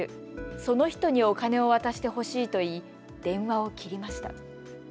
その人にお金を渡してほしいといい電話を切りました。